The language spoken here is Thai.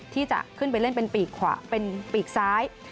ที่จะขึ้นไปเล่นเป็นปีกซ้าย